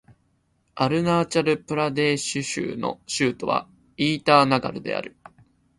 アルナーチャル・プラデーシュ州の州都はイーターナガルである